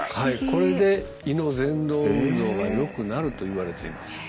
これで胃のぜん動運動がよくなるといわれています。